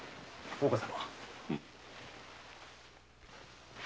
大岡様。